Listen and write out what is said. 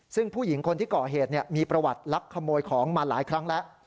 ซึ่งผู้หญิงคนที่ก่อเหตุมีประวัติลักขโมยของมาหลายครั้งแล้ว